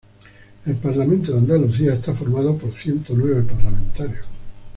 El Parlamento de Andalucía está formado por ciento nueve parlamentarios.